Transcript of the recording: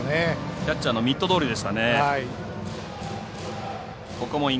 キャッチャーのミットどおりでしたね。